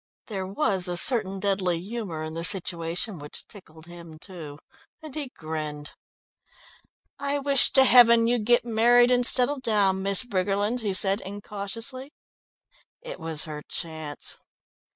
There was a certain deadly humour in the situation which tickled him too, and he grinned. "I wish to heaven you'd get married and settle down, Miss Briggerland," he said incautiously. It was her chance.